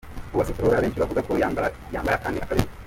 Uwase Flora benshi bavuga ko yambara yambara kandi akabera .